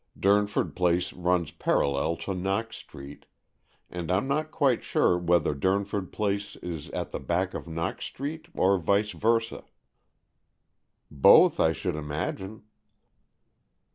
Durnford Place runs parallel to Knox Street, and Pm not quite sure whether Durnford Place is at the back of Knox Street, or vice versa." '' Both, I should imagine."